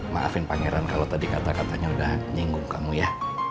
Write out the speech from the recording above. maafin pangeran kalau tadi kata katanya udah nyinggung kamu ya